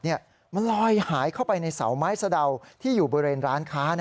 มันลอยหายเข้าไปในเสาไม้สะดาวที่อยู่บริเวณร้านค้า